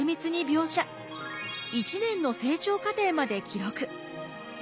１年の成長過程まで記録。